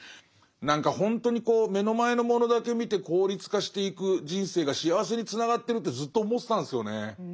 何かほんとに目の前のものだけ見て効率化していく人生が幸せにつながってるってずっと思ってたんですよね。